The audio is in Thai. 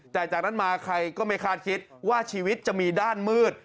แต่จากนั้นมาใครก็ไม่คาดคิดว่าชีวิตจะมีด้านมืด